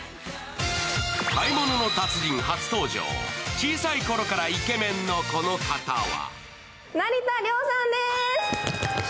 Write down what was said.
「買い物の達人」初登場、小さい頃からイケメンのこの方は？